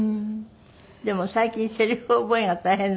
でも最近セリフ覚えが大変なんですって？